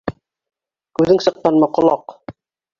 Күҙең сыҡҡанмы, ҡолаҡ!